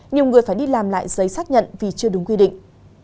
nhiều người phải đi làm lại giấy xác nhận vì chưa đúng quy định